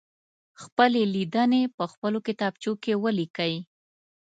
خپلې لیدنې په خپلو کتابچو کې ولیکئ.